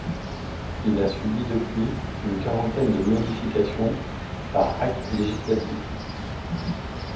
Il a subi depuis une quarantaine de modifications par actes législatifs.